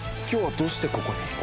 今日はどうしてここに？